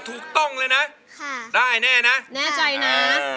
ตรงเลยนะได้แน่นะแน่ใจนะ